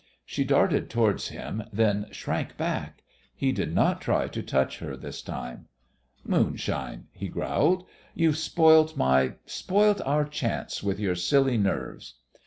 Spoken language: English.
She darted towards him, then shrank back. He did not try to touch her this time. "Moonshine!" he growled. "You've spoilt my spoilt our chance with your silly nerves."